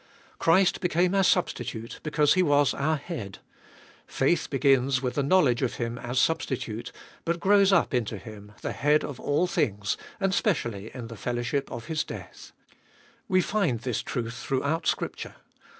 Christ became our Substitute because He was our Head ; faith begins with the knowledge of him as Substitute, but grows up into Him, the Head of all things, and specially in the fellowship of His death. We find this truth throughout Scripture.